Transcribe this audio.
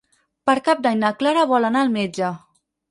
Per Cap d'Any na Clara vol anar al metge.